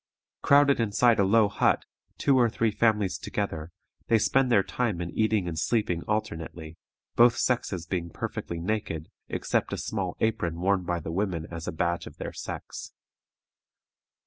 Crowded inside a low hut, two or three families together, they spend their time in eating and sleeping alternately, both sexes being perfectly naked, except a small apron worn by the women as a badge of their sex.